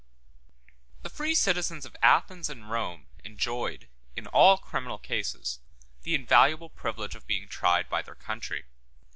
] The free citizens of Athens and Rome enjoyed, in all criminal cases, the invaluable privilege of being tried by their country.